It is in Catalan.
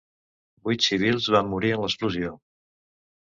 Vuit civils van morir en l'explosió.